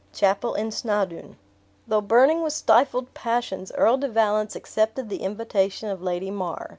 Chapel in Snawdoun. Though burning with stifled passions, Earl de Valence accepted the invitation of Lady Mar.